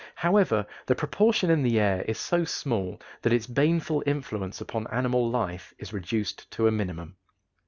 However, the proportion in the air is so small that its baneful influence upon animal life is reduced to a minimum.